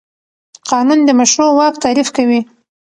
قانون د مشروع واک تعریف کوي.